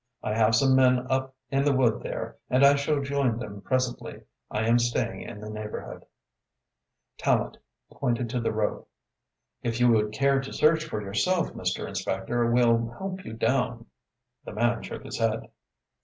I have some men up in the wood there and I shall join them presently. I am staying in the neighborhood." Tallente pointed to the rope. "If you would care to search for yourself, Mr. Inspector, we'll help you down." The man shook his head.